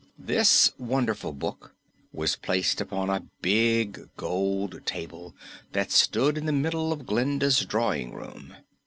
This wonderful book was placed upon a big gold table that stood in the middle of Glinda's drawing room.